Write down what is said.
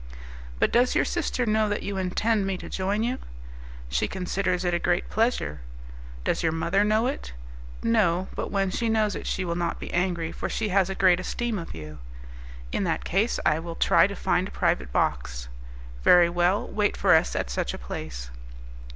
"But does your sister know that you intend me to join you?" "She considers it a great pleasure." "Does your mother know it?" "No; but when she knows it she will not be angry, for she has a great esteem for you." "In that case I will try to find a private box." "Very well; wait for us at such a place."